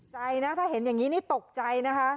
ใจนะถ้าเห็นอย่างนี้นี่ตกใจนะคะ